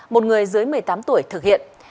một người dưới một mươi tám tuổi thực hiện